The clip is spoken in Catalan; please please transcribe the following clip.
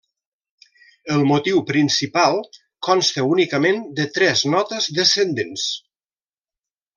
El motiu principal consta únicament de tres notes descendents.